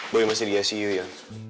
boleh masih di icu ya